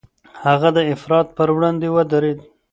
هغه د افراط پر وړاندې ودرېد.